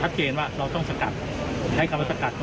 ถัดเจนว่าเราต้องสะกัดใช้คำว่าสะกัดมึง